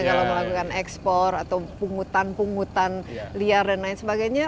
kalau melakukan ekspor atau pungutan pungutan liar dan lain sebagainya